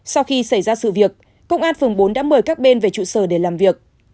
sau khi xảy ra sự việc công an phường bốn đã mời các bên về trụ sở để làm việc